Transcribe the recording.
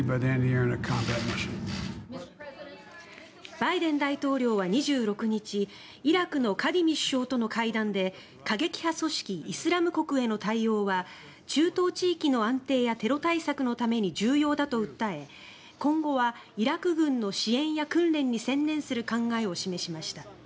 バイデン大統領は２６日イラクのカディミ首相との会談で過激派組織イスラム国への対応は中東地域の安定やテロ対策のために重要だと訴え今後はイラク軍の支援や訓練に専念する考えを示しました。